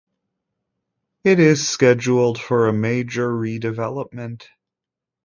It is scheduled for a major re-development.